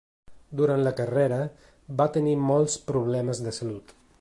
Durant la carrera, va tenir molts problemes de salut.